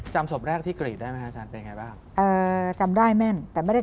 จำศพแรกที่กรีดได้ไหมครับอาจารย์เป็นอย่างไรบ้าง